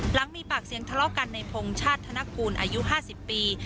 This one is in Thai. หลังมีปากเสียงทะเลาะกันในพงชาติธนกูลอายุ๕๐ปี